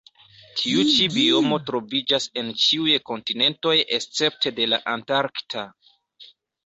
Tiu ĉi biomo troviĝas en ĉiuj kontinentoj escepte de la antarkta.